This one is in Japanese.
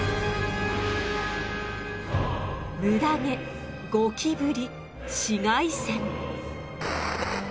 ムダ毛ゴキブリ紫外線。